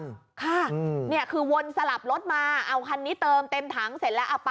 ค่ะเนี่ยคือวนสลับรถมาเอาคันนี้เติมเต็มถังเสร็จแล้วเอาไป